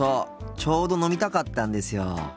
ちょうど飲みたかったんですよ。